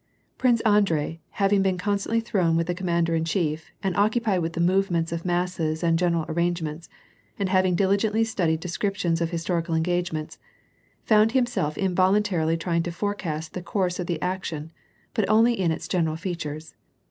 Prince Andrei, having been constantly thrown with the com mander in chief, and occupied with the movements of masses and general arrangements, and having diligently studied de scriptions of 'historical engagements, found himself involun tarily trying to forecast the course of the action, but only in its general features.